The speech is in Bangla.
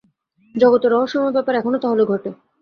জগতে রহস্যময় ব্যাপার এখনো তাহলে ঘটে!